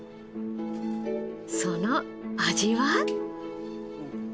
その味は？